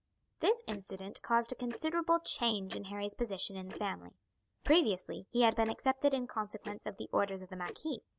This incident caused a considerable change in Harry's position in the family. Previously he had been accepted in consequence of the orders of the marquis.